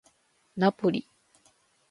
ナポリ